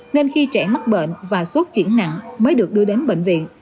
nên khi trẻ mắc bệnh và suốt chuyển nặng mới được đưa đến bệnh viện